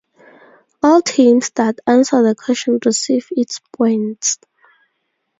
All teams that answer the question receive its points.